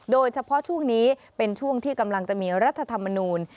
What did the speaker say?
โดยเฉพาะช่วงนี้เป็นช่วงที่กำลังจะมีรัฐธรรมนูล